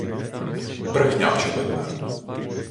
Брехня очевидна